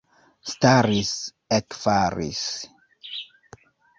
Staris, ekfaris.